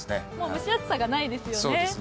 蒸し暑さがないですよね。